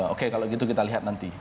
oke kalau gitu kita lihat nanti